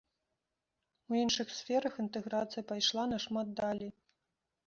У іншых сферах інтэграцыя пайшла нашмат далей.